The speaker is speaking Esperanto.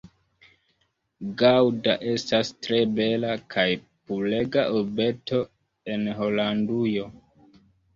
Gaŭda estas tre bela kaj purega urbeto en Holandujo.